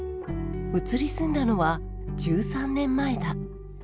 移り住んだのは１３年前だ。